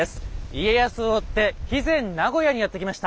家康を追って肥前名護屋にやって来ました。